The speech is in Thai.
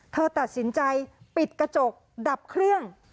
เธอตัดสินใจปิดกระจกดับเครื่อง